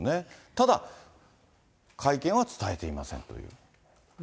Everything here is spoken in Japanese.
ただ、会見は伝えていませんという。